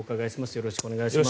よろしくお願いします。